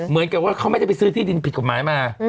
เหมือนกับว่าเขาไม่ได้ซื้อที่ดินผิดปลูกไม้มา